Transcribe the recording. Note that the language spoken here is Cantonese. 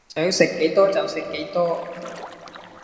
想食幾多就食幾多